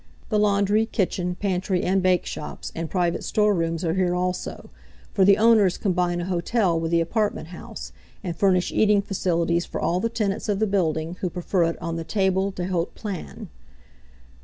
The laundry, kitchen, pantry, and bake shops, and private storerooms are here also, for the owners combine a hotel with the apartment house, and furnish eating facilities for all the tenants of the building who prefer it on the table d'hôte plan.